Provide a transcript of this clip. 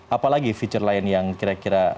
apa lagi fitur lain yang kira kira bisa berhasil dikirim